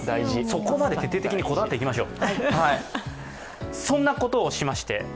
そこまで徹底的にこだわっていきましょう。